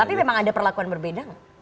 tapi memang ada perlakuan berbeda nggak